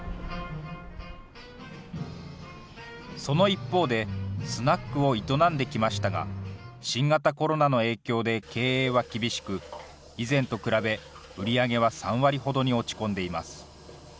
その一方で、スナックを営んできましたが、新型コロナの影響で経営は厳しく、以前と比べ、売り上げは３割ほどに落ち込んでいます。